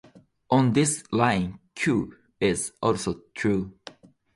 On this line, "q" is also true.